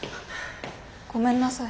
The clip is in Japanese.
ごめんなさい。